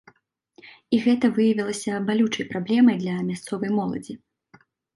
І гэта выявілася балючай праблемай для мясцовай моладзі.